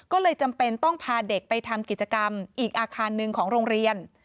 ก็เลยจำเป็นต้องพาเด็กไปทำกิจกรรมอีกอาคารหนึ่งของโรงเรียน